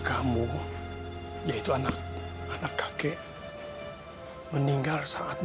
waktu kakek dengan kamu